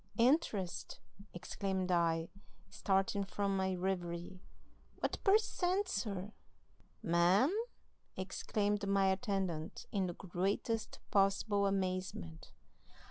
"'Interest?' exclaimed I, starting from my reverie. 'What per cent, sir?' "'Ma'am?' exclaimed my attendant, in the greatest possible amazement.